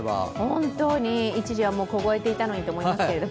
本当に、一時は凍えていたのにと思いますけど。